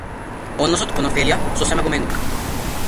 Односот кон Офелија сосема го менува.